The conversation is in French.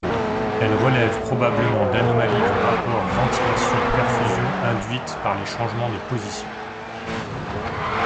Elle relève probablement d'anomalies du rapport ventilation perfusion induites par les changements de position.